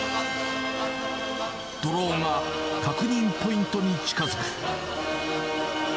ドローンが確認ポイントに近づく。